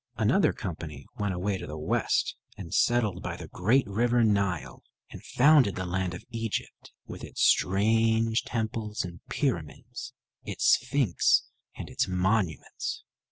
Another company went away to the west and settled by the great river Nile, and founded the land of Egypt, with its strange temples and pyramids, its sphinx and its monuments.